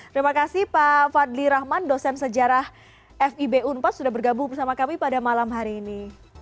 terima kasih pak fadli rahman dosen sejarah fib unpas sudah bergabung bersama kami pada malam hari ini